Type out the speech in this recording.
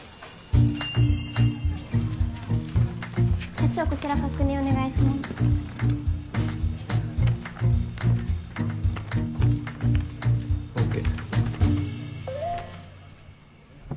社長こちら確認をお願いします。ＯＫ。